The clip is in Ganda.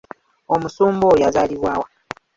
Omusumba oya azaalibwa wa?